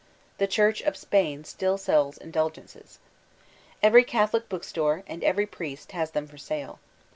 The Church of Spain still sells indulgences. Every Catholic bocdcstore, and every priest, has them for sale.